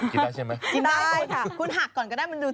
กินได้ใช่ไหม